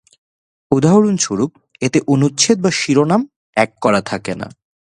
উদাহরণস্বরূপ, এতে অনুচ্ছেদ বা শিরোনাম ট্যাগ করা থাকে না।